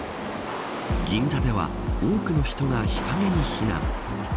銀座では多くの人が日陰に避難。